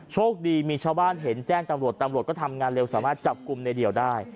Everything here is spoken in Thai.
โชคดีมีชาวบ้านเห็นแจ้งตำรวจตำรวจก็ทำงานเร็วสามารถจับกลุ่มในเดี่ยวได้